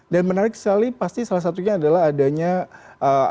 dan menarik sekali pasti salah satunya adalah adanya aplikasi